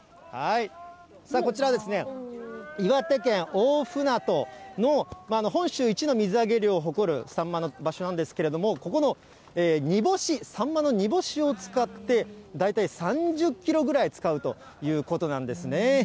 さあ、こちらは岩手県大船渡の本州一の水揚げ量を誇るサンマの場所なんですけれども、ここの煮干し、サンマの煮干しを使って、大体３０キロぐらい使うということなんですね。